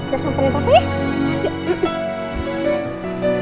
kita samperin papa yuk